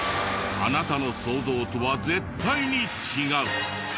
あなたの想像とは絶対に違う。